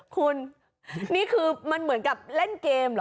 คุณนี่คือมันเหมือนกับเล่นเกมเหรอ